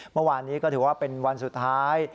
เมื่อวานนี้ก็ถือว่าเป็นวันสุดท้าย